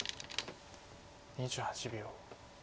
２８秒。